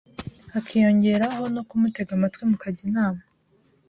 hakiyongeraho no kumutega amatwi mukajya inama.